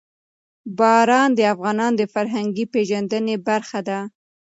باران د افغانانو د فرهنګي پیژندنې برخه ده.